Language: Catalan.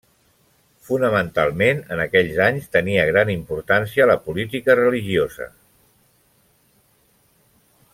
Fonamentalment, en aquells anys, tenia gran importància la política religiosa.